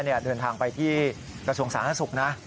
เดินทางไปที่กระทรวงศาลนักศึกษ์